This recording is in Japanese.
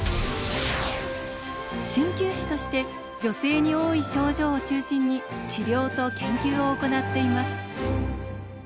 鍼灸師として女性に多い症状を中心に治療と研究を行っています。